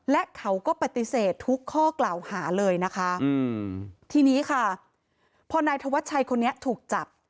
และเขาก็ปฏิเสธทุกข้อกล่าวหาเลยนะคะทีนี้ค่ะพอนายธวัชชัยคนนี้ถูกจับ